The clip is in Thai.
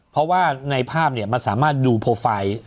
เพราะว่าในภาพมันสามารถดูโปรไฟล์